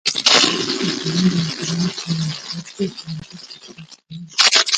د قانون د حاکمیت په موجودیت کې خونديتوب احساس کاوه.